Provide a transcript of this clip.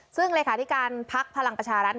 ซึ่งอฤอไอพรรังประชารัฐ